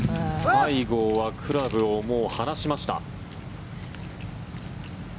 西郷はクラブを放しました。